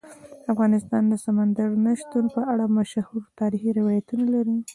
افغانستان د سمندر نه شتون په اړه مشهور تاریخی روایتونه لري.